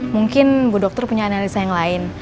mungkin bu dokter punya analisa yang lain